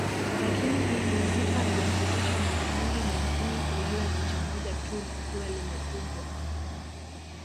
Lakini hupumzika vya kutosha mara nyingi Nyangumi hulala jicho moja tu likiwa limefugwa